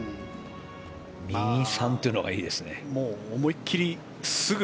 右に３というのがいいですね。